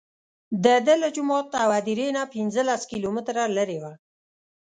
دده له جومات او هدیرې نه پنځه لس کیلومتره لرې وه.